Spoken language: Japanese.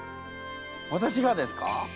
私がですか！？